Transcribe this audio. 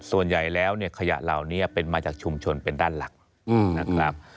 ส่วนใหญ่แล้วเนี่ยขยะเหล่านี้เป็นมาจากชุมชนเป็นด้านหลักนะครับ